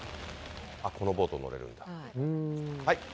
このボート乗れるんだ。